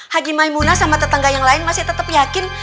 hagi maimunah sama tetangga yang lain masih tetep yakin